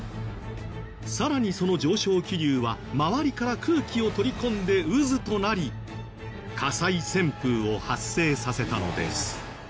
更にその上昇気流は周りから空気を取り込んで渦となり火災旋風を発生させたのです。